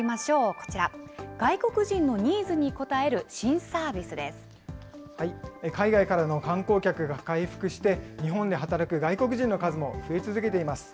こちら、外国人のニーズに応える海外からの観光客が回復して、日本で働く外国人の数も増え続けています。